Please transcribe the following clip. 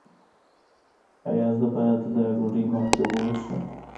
ایا زه باید له ډوډۍ مخکې اوبه وڅښم؟